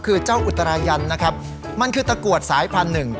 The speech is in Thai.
คือเจ้าอุตรายันนะครับมันคือตะกรวดสายพันธุ์หนึ่ง